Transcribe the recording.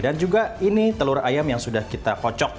dan juga ini telur ayam yang sudah kita kocok